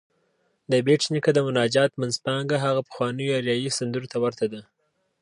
د بېټ نیکه د مناجات منځپانګه هغه پخوانيو اریايي سندرو ته ورته ده.